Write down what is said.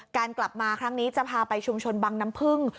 กลับมาครั้งนี้จะพาไปชุมชนบังน้ำพึ่ง